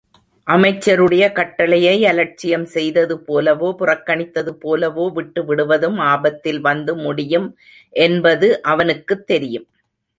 அமைச்சருடைய கட்டளையை அலட்சியம் செய்தது போலவோ, புறக்கணித்தது போலவோ, விட்டுவிடுவதும் ஆபத்தில் வந்து முடியும் என்பது அவனுக்குத் தெரியும்.